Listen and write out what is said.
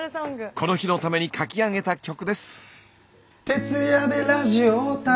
この日のために書き上げた曲です。